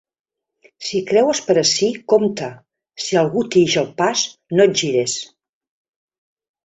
Si creues per ací, compte! Si algú t'ix al pas, no et gires.